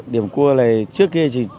điểm cua này trước kia